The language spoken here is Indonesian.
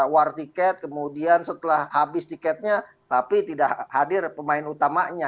war tiket kemudian setelah habis tiketnya tapi tidak hadir pemain utamanya